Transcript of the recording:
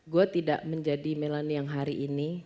gue tidak menjadi melani yang hari ini